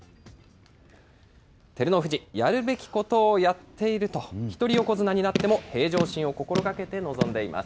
照ノ富士、やるべきことをやっていると、一人横綱になっても平常心を心がけて臨んでいます。